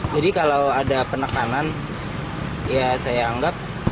jadi kalau ada penekanan ya saya anggap